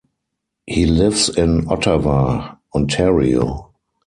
He lives in Ottawa, Ontario.